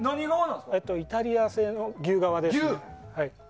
イタリア製の牛革です。